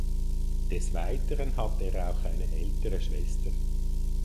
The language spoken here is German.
Des Weiteren hat er auch eine ältere Schwester.